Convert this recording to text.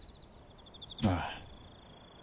ああ。